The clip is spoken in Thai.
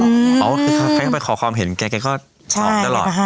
อ๋อคือใครเข้าไปขอความเห็นแกก็สอนตลอด